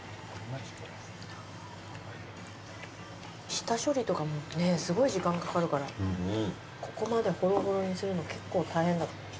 下処理とかもすごい時間かかるからここまでホロホロにするの結構大変。